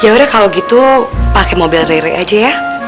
ya udah kalo gitu pake mobil rire aja ya